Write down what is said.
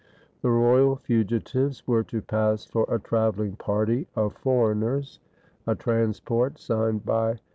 The royal fugitives were to pass for a traveling party of foreigners. A transport signed by M.